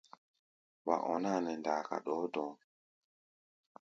Wa ɔná a nɛ ndaaka ɗɔɔ́ dɔ̧ɔ̧́.